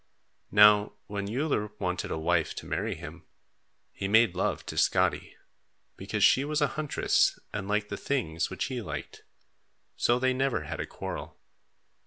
Now when Uller wanted a wife to marry him, he made love to Skadi, because she was a huntress and liked the things which he liked. So they never had a quarrel.